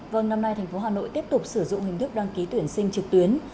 vâng năm nay thành phố hà nội tiếp tục sử dụng hình thức đăng ký tuyển sinh trực tuyến